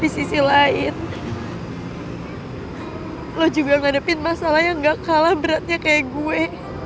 di sisi lain lo juga ngadepin masalahnya gak kalah beratnya kayak gue